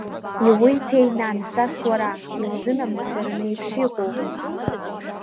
Иуиҭеи, нан, дҵас уара иузынамыгӡараны еиԥш иҟоу?